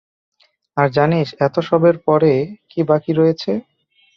আর জানিস, এতসবের পরে কী বাকি রয়েছে?